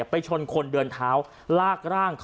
ก็แค่มีเรื่องเดียวให้มันพอแค่นี้เถอะ